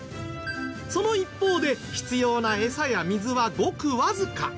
その一方で必要なエサや水はごくわずか。